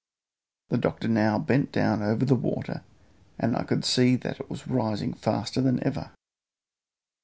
The doctor now bent down over the water, and I could see that it was rising faster than ever.